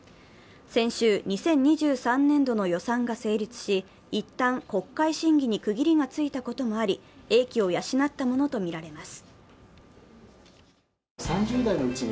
先週、２０２３年度の予算が成立し、一旦、国会審議に区切りがついたこともあり、英気を養ったものとみられます。